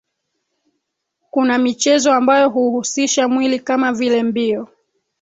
Kuna michezo ambayo huhusisha mwili kama vile mbio